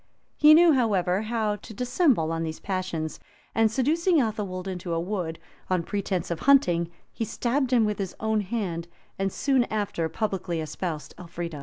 He knew, however, how to dissemble these passions; and seducing Athelwold into a wood, on pretence of hunting, he stabbed him with his own hand, and soon after publicly espoused Elfrida.